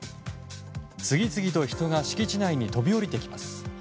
次々と、人が敷地内に飛び降りてきます。